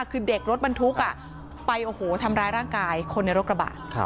คือเด็กรถบรรทุกไปโอ้โหทำร้ายร่างกายคนในรถกระบะ